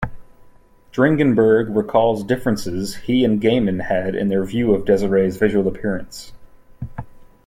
Dringenberg recalls differences he and Gaiman had in their view of Desire's visual appearance.